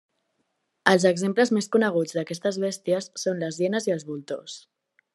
Els exemples més coneguts d'aquestes bèsties són les hienes i els voltors.